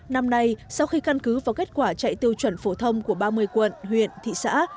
năm nay sau khi căn cứ vào kết quả chạy tiêu chuẩn phổ thông của ba mươi quận huyện thị xã